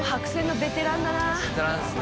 ベテランですね。